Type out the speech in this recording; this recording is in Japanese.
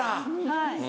はい。